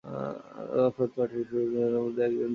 তিনি ওয়াফদ পার্টির শুরুর নেতাদের মধ্যে একজন ছিলেন।